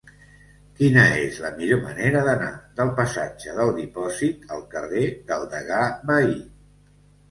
Quina és la millor manera d'anar del passatge del Dipòsit al carrer del Degà Bahí?